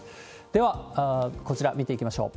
では、こちら、見ていきましょう。